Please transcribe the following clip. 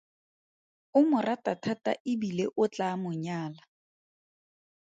O mo rata thata e bile o tla mo nyala.